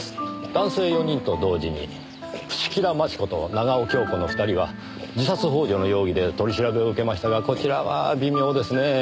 男性４人と同時に伏木田真智子と長尾恭子の２人は自殺幇助の容疑で取り調べを受けましたがこちらは微妙ですねぇ。